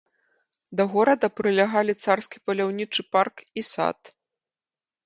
Да горада прылягалі царскі паляўнічы парк і сад.